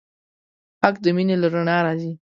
حق د مینې له رڼا راځي.